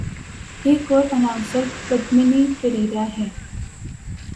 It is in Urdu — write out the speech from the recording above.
ایک اور اناؤنسر پدمنی پریرا ہیں۔